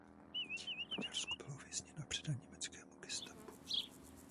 V Maďarsku byl uvězněn a předán německému gestapu.